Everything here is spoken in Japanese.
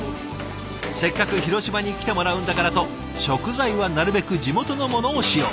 せっかく広島に来てもらうんだからと食材はなるべく地元のものを使用。